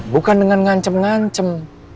bukan dengan ngancam ngancam